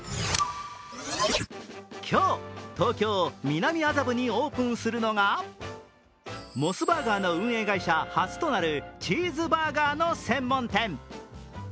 今日、東京・南麻布にオープンするのがモスバーガーの運営会社初となるチーズバーガーの専門店。